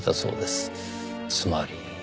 つまり。